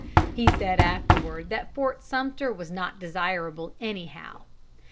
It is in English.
He said afterward that Fort Sumter was not desirable anyhow.